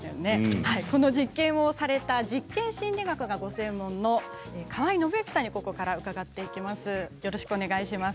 この実験をされた実験心理学がご専門の川合伸幸さんにここから伺っていきます。